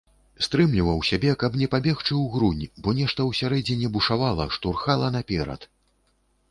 Стрымліваў сябе, каб не пабегчы ўгрунь, бо нешта ўсярэдзіне бушавала, штурхала наперад.